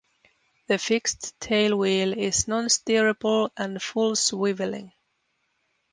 The fixed tailwheel is non-steerable and full-swivelling.